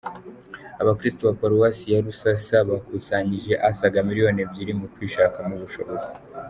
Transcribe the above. Abakirisitu ba Paruwasi ya Rususa bakusanyije asaga miliyoni ebyiri mu kwishakamo ubushobozi